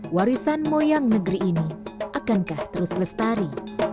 warisan moyang negeri ini akankah terus lestari